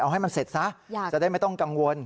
เอาให้มันเสร็จซะจะได้ไม่ต้องกังวล